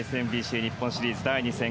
ＳＭＢＣ日本シリーズ第２戦。